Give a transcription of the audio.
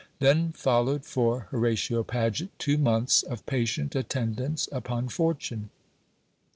Then followed for Horatio Paget two months of patient attendance upon fortune.